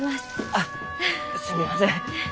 あっすみません。